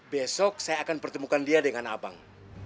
besok saya akan pertemukan dia dengan abang